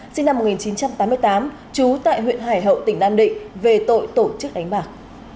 sinh năm một nghìn chín trăm tám mươi tám trú tại huyện hải hậu tỉnh nam định về tội tổ chức đánh bạc